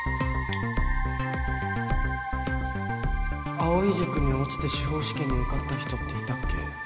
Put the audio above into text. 藍井塾に落ちて司法試験に受かった人っていたっけ？